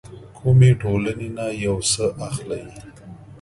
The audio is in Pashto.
کومې ټولنې نه يو څه اخلي.